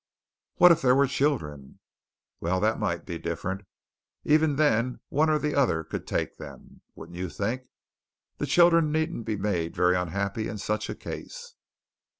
"What if there were children?" "Well, that might be different. Even then, one or the other could take them, wouldn't you think? The children needn't be made very unhappy in such a case."